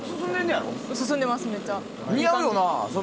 似合うよな。